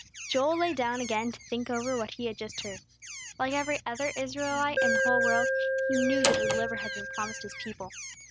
Joel lay down again to think over what he had just heard. Like every other Israelite in the whole world, he knew that a deliverer had been promised his people.